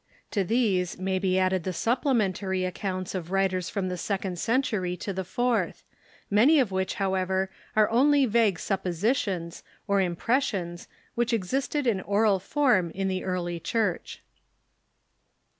To these may be added the supplementary accounts of writers from the second century to the fourth ; many of which, however, are only vague suppositious, or im pressions, which existed in oral form in the early Church.